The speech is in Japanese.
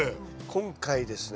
今回ですね